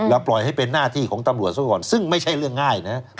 ปล่อยให้เป็นหน้าที่ของตำรวจซะก่อนซึ่งไม่ใช่เรื่องง่ายนะ